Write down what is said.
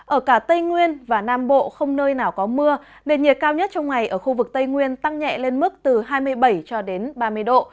ở cả tây nguyên và nam bộ không nơi nào có mưa nền nhiệt cao nhất trong ngày ở khu vực tây nguyên tăng nhẹ lên mức từ hai mươi bảy cho đến ba mươi độ